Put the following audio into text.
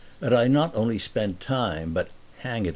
And I not only spent time, but (hang it!